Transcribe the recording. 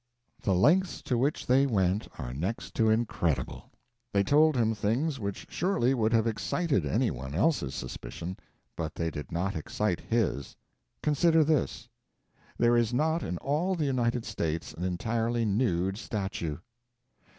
The lengths to which they went are next to incredible. They told him things which surely would have excited any one else's suspicion, but they did not excite his. Consider this: "There is not in all the United States an entirely nude statue."